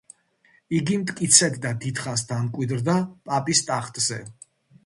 იგი მტკიცედ და დიდხანს დამკვიდრდა პაპის ტახტზე.